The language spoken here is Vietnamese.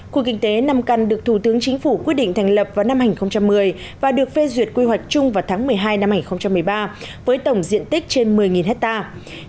khu kinh tế năm căn được thủ tướng chính phủ quyết định thành lập vào năm hai nghìn một mươi và được phê duyệt quy hoạch chung vào tháng một mươi hai năm hai nghìn một mươi ba với tổng diện tích trên một mươi hectare